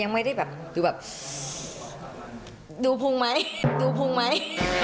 ไม่ได้แบบดูแบบดูพุงไหมดูพุงไหม